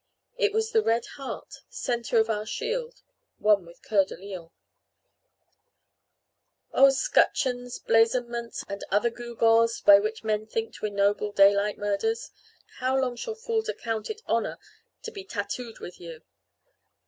It was the red heart, centre of our shield, won with Coeur de Lion. Oh scutcheons, blazonments, and other gewgaws, by which men think to ennoble daylight murders, how long shall fools account it honour to be tattooed with you?